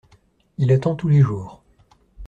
Il attend tous les jours.